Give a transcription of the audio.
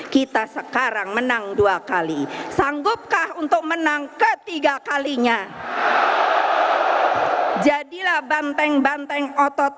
kita sekarang menang dua kali sanggupkah untuk menang ketiga kalinya jadilah banteng banteng otot